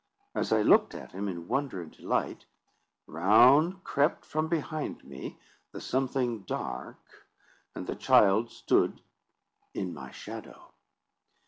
As I looked at him in wonder and delight, round crept from behind me the something dark, and the child stood in my shadow.